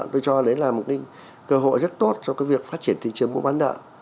tôi cho đấy là một cơ hội rất tốt cho việc phát triển thị trường mua bán nợ